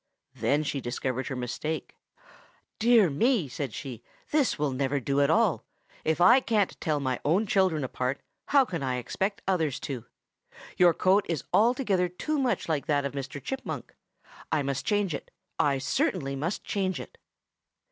"Then she discovered her mistake. 'Dear me,' said she, 'this will never do at all. If I can't tell my own children apart, how can I expect others to? Your coat is altogether too much like that of Mr. Chipmunk. I must change it. I certainly must change it.'